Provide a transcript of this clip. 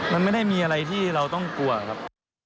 มันไม่ได้มีอะไรที่เราต้องกลัวครับ